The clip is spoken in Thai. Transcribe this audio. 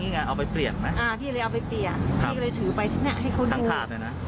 พี่ก็เลยเอาไปเปลี่ยนพี่ก็เลยถือไปที่นี่ให้เขาดู